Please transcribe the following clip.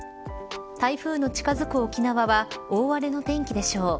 台風の近づく沖縄は大荒れの天気でしょう。